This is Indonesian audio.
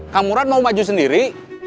kang nuran mau maju sendiri